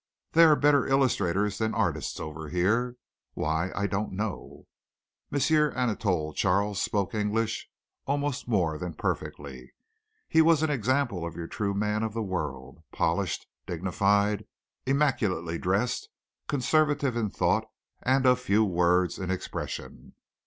They are better illustrators than artists over here why I don't know." M. Anatole Charles spoke English almost more than perfectly. He was an example of your true man of the world polished, dignified, immaculately dressed, conservative in thought and of few words in expression.